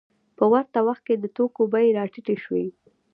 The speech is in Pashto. په ورته وخت کې د توکو بیې راټیټې شوې